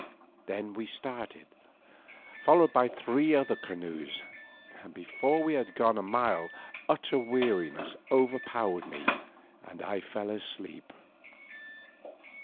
Then we started, followed by three other canoes, and before we had gone a mile utter weariness overpowered me and I fell asleep.